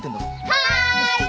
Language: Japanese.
はい。